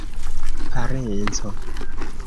parenco